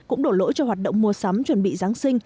cũng đổ lỗi cho hoạt động mua sắm chuẩn bị giáng sinh